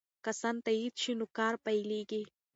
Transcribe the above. که سند تایید شي نو کار پیلیږي.